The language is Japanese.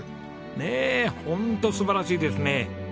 ねえホント素晴らしいですね。